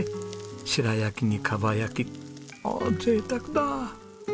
白焼きにかば焼きおお贅沢だ。